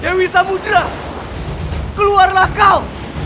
dewi semudera keluarlah kau